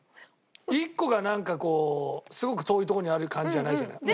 一個がなんかこうすごく遠いとこにある感じじゃないじゃない。